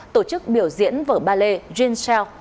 tổ chức biểu diễn vở ballet jean shell